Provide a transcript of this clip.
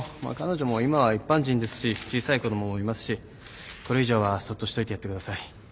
まあ彼女も今は一般人ですし小さい子供もいますしこれ以上はそっとしといてやってください。